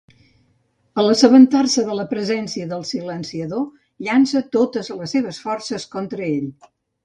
A l'assabentar-se de la presència del Silenciador, llança totes les seves forces contra ell.